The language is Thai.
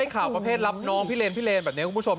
ข่าวประเภทรับน้องพิเลนพิเลนแบบนี้คุณผู้ชม